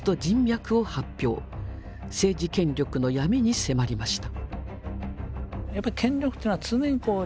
政治権力の闇に迫りました。